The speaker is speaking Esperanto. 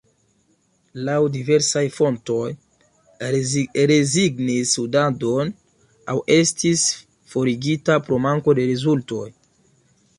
Laŭ diversaj fontoj rezignis studadon aŭ estis forigita pro manko de rezultoj.